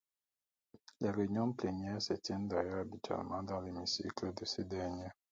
Les réunions plénières se tiennent d'ailleurs habituellement dans l'hémicycle de ce dernier.